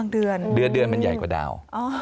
เดือนมันใหญ่กว่าดาว